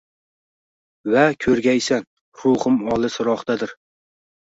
va ko’rgaysan, ruhim olis rohdadir…